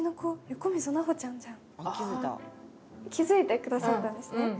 気付いてくださったんですね。